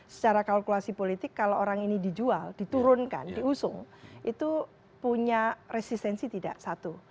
secara kalkulasi politik kalau orang ini dijual diturunkan diusung itu punya resistensi tidak satu